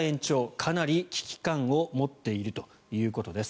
かなり危機感を持っているということです。